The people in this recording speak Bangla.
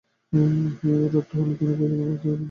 এর অর্থ— তিনি বায়তুল মুকাদ্দাসকে পুনঃনির্মাণ করেন।